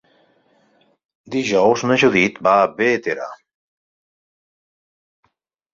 Dijous na Judit va a Bétera.